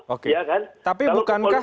oke tapi bukankah